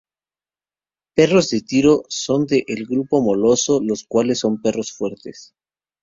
Perros de tiro son de el grupo Moloso los cuáles son perros fuertes.